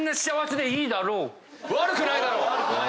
悪くないだろう。